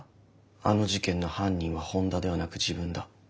あの事件の犯人は本田ではなく自分だ。